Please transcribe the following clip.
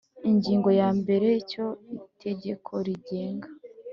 Ingingo ya mbere Icyo itegeko rigenga